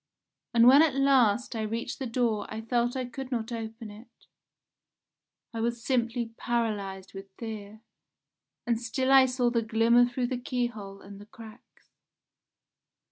And when at last I reached the door I felt I could not open it. I was simply paralysed with fear. And still I saw the glimmer through the key hole and the cracks.